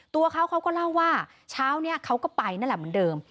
ตัวเขาเขาก็เล่าว่าเช้านี้เขาก็ไปนั่นแหละเหมือนเดิม